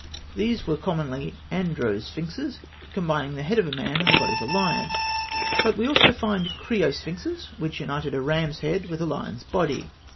These were commonly andro sphinxes, combining the head of a man and the body of a lion; but we also find crio sphinxes, which united a ram's head with a lion's body (fig.